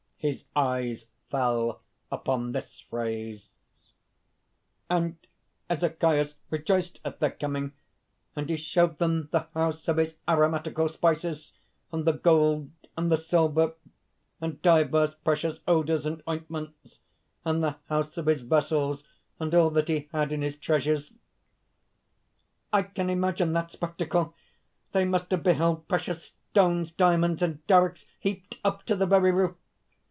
His eyes fell upon this phrase_: ) _'And Ezechias rejoiced at their coming, and he showed them the house of his aromatical spices, and the gold and the silver, and divers precious odours and ointments, and the house of his vessels, and all that he had in his treasures....'_ "I can imagine that spectacle; they must have beheld precious stones, diamonds and darics heaped up to the very roof.